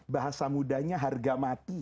bahasa mudanya harga mati